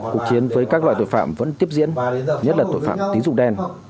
cuộc chiến với các loại tội phạm vẫn tiếp diễn nhất là tội phạm tiến dụng đèn